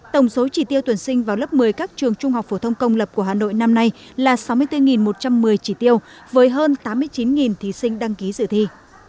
tổng số chỉ tiêu tuyển sinh vào lớp một mươi các trường trung học phổ thông công lập của hà nội năm nay là sáu mươi bốn một trăm một mươi chỉ tiêu với hơn tám mươi chín thí sinh đăng ký dự thi